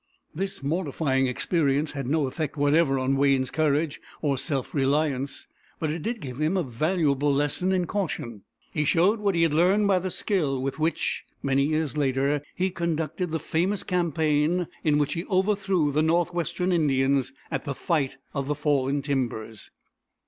This mortifying experience had no effect whatever on Wayne's courage or self reliance, but it did give him a valuable lesson in caution. He showed what he had learned by the skill with which, many years later, he conducted the famous campaign in which he overthrew the Northwestern Indians at the Fight of the Fallen Timbers.